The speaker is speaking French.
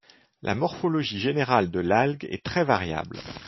La morphologie générale de l'algue est très variable.